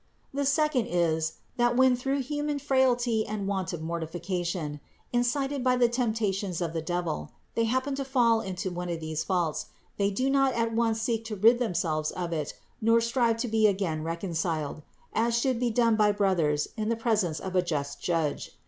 The second is, that, when through human frailty and want of mortification, incited by the tempta tion of the devil, they happen to fall into one of these faults, they do not at once seek to rid themselves of it nor strive to be again reconciled, as should be done by brothers in the presence of a just judge.